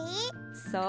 そう。